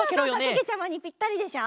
けけちゃまにぴったりでしょ？